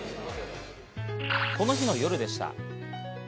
この日の夜でした。